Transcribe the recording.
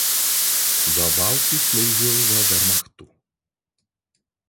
Za války sloužil ve Wehrmachtu.